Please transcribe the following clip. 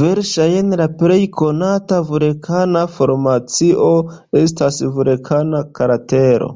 Verŝajne la plej konata vulkana formacio estas vulkana kratero.